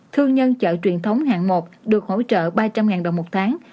thương nhân chợ truyền thống hạng một được hỗ trợ ba trăm linh đồng một tháng